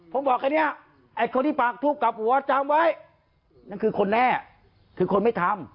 ผมบอกอันนี้ไอ้คนที่ปากทุกข์กับหัวจำไว้นั่นคือคนแน่คือคนไม่ทำ